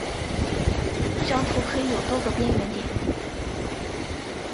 一张图可以有多个边缘点。